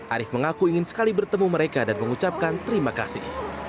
arief mengaku ingin sekali bertemu mereka dan mengucapkan terima kasih